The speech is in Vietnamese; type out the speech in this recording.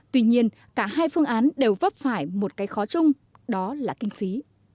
tuy nhiên cả hai phương án đều vấp phải một cái khó chung đó là kinh phí